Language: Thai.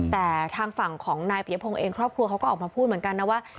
แต่ทางฝั่งของนายปียพงศ์เองครอบครัวเขาก็ออกมาพูดเหมือนกันนะว่า